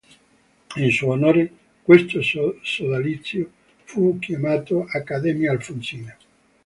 In suo onore questo sodalizio fu chiamato Accademia Alfonsina.